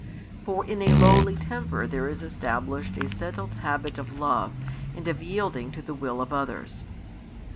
For in a lowly temper there is established a settled habit of love and of yielding to the will of others.